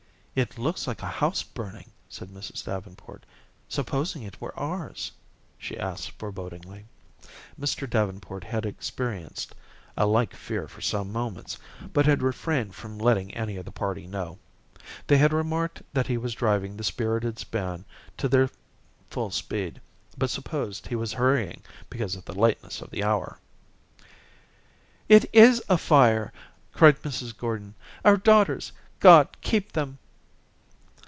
"It looks like a house burning," said Mrs. Davenport. "Supposing it were ours," she added forebodingly. Mr. Davenport had experienced a like fear for some moments, but had refrained from letting any of the party know. They had remarked that he was driving the spirited span to their full speed, but supposed he was hurrying because of the lateness of the hour. "It is a fire," cried Mrs. Gordon. "Our daughters God keep them."